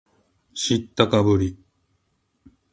知ったかぶり